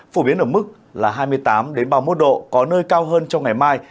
phổ biến ở mức là hai mươi tám ba mươi một độ có nơi cao hơn trong ngày mai